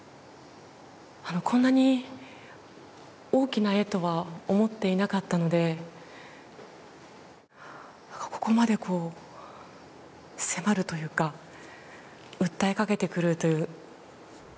こんなに大きな絵とは思っていなかったのでここまで、こう迫るというか訴えかけてくるという。